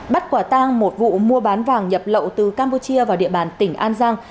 bắt quả tang một vụ mua bán vàng nhập lậu từ campuchia vào địa bàn tỉnh an giang